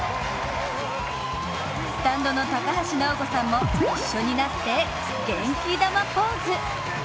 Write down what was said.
スタンドの高橋尚子さんも一緒になって元気玉ポーズ。